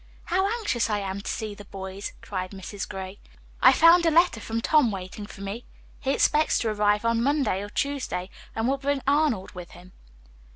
"How anxious I am to see the boys," cried Mrs. Gray. "I found a letter from Tom waiting for me. He expects to arrive on Monday or Tuesday, and will bring Arnold with him."